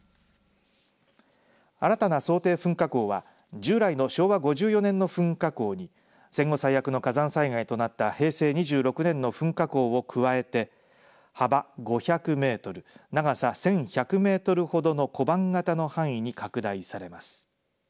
新たな想定噴火口は従来の昭和５４年の噴火口に戦後最悪の火山災害となった平成２６年の噴火口を加えて幅５００メートル、長さ１１００メートルほどの小判型の範囲に拡大されます。